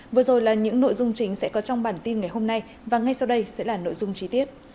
vừa rồi là những nội dung chính sẽ có trong bản tin ngày hôm nay và ngay sau đây sẽ là nội dung chi tiết